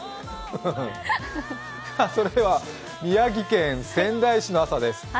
それでは宮城県仙台市の朝です。